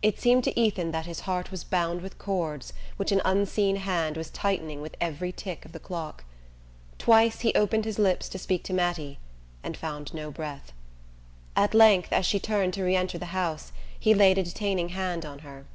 It seemed to Ethan that his heart was bound with cords which an unseen hand was tightening with every tick of the clock. Twice he opened his lips to speak to Mattie and found no breath. At length, as she turned to re enter the house, he laid a detaining hand on her.